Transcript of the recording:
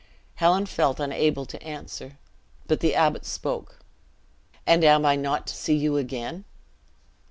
Helen felt unable to answer. But the abbot spoke; "And am I not to see you again?"